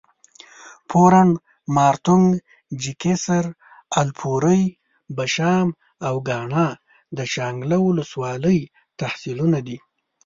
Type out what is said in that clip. پورڼ، مارتونګ، چکېسر، الپورۍ، بشام او کاڼا د شانګله اولس والۍ تحصیلونه دي